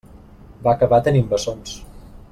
Va acabar tenint bessons.